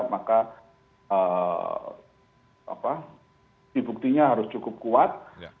maka dibuktinya harus cukup kuat